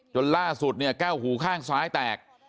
จนล่าสุดแก้วหูข้างซ้ายแตก